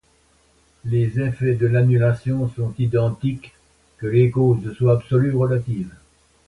Les effets de l'annulation sont identiques, que les causes soient absolues ou relatives.